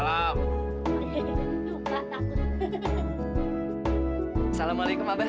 laporan komandan mau pergi dulu sama aku tuh